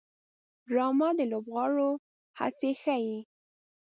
ډرامه د لوبغاړو هڅې ښيي